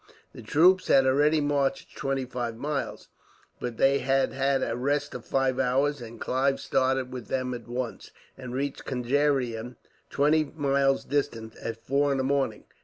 The troops had already marched twenty five miles, but they had had a rest of five hours, and Clive started with them at once, and reached Conjeveram, twenty miles distant, at four in the morning.